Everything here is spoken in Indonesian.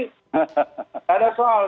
tidak ada soal